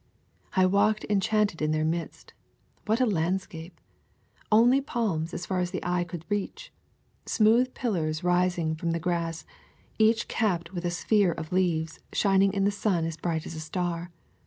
I walked enchanted in their midst. What a landscape! Only palms as far as the eye could reach! Smooth pillars rising from the grass, each capped with a sphere of leaves, shining in the sun as bright as a star.